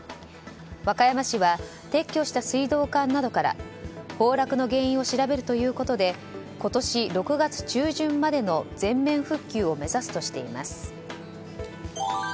和歌山市は撤去した水道管などから崩落の原因を調べるということで今年６月中旬までの全面復旧を目指すとしています。